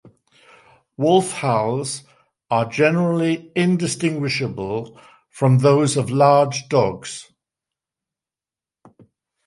Wolf howls are generally indistinguishable from those of large dogs.